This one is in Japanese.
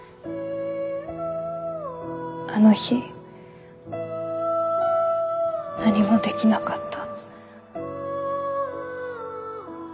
あの日何もできなかった。